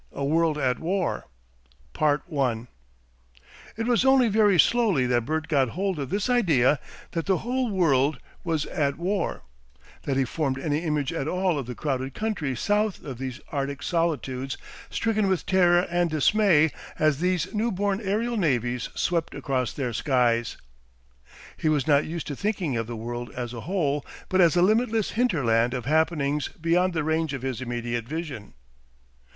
A WORLD AT WAR 1 It was only very slowly that Bert got hold of this idea that the whole world was at war, that he formed any image at all of the crowded countries south of these Arctic solitudes stricken with terror and dismay as these new born aerial navies swept across their skies. He was not used to thinking of the world as a whole, but as a limitless hinterland of happenings beyond the range of his immediate vision.